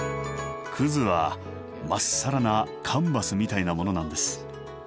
くずは真っさらなカンバスみたいなものなんです。